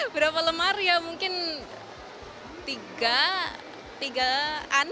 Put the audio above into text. berapa lemari ya mungkin tiga tigaan